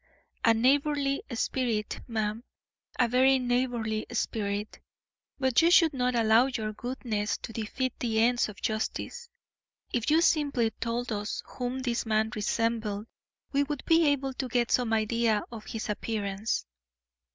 A neighbourly spirit, ma'am, a very neighbourly spirit; but you should not allow your goodness to defeat the ends of justice. If you simply told us whom this man resembled we would be able to get some idea of his appearance."